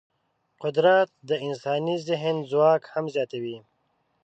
قدرت د انساني ذهن ځواک هم زیاتوي.